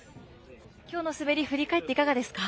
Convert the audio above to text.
今日の滑りを振り返っていかがですか？